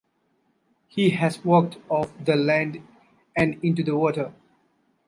He has walked off of the land and into the water.